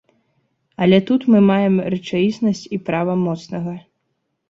Але тут мы маем рэчаіснасць і права моцнага.